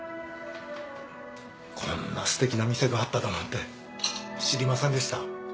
こんなすてきな店があっただなんて知りませんでした。